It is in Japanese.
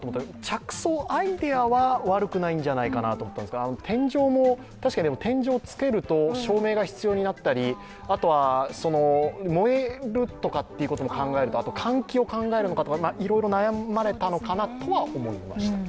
着想、アイデアは悪くないんじゃないかなと思ったんですが天井も、確かに天井をつけると、照明が必要になったり、燃えるとかということも考えたり、あと換気を考えたり、いろいろ悩まれたのかなとは思いました。